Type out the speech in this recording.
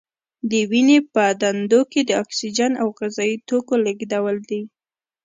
د وینې په دندو کې د اکسیجن او غذايي توکو لیږدول دي.